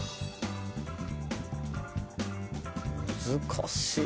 ・難しい。